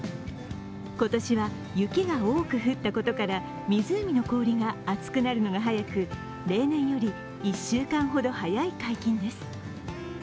今年は雪が多く降ったことから湖の氷が厚くなるのが早く例年より１週間ほど早い解禁です。